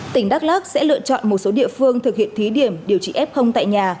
tỉnh đắk lắc sẽ lựa chọn một số địa phương thực hiện thí điểm điều trị f tại nhà